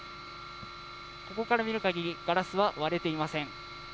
ここから見るかぎりガラスは割れていません。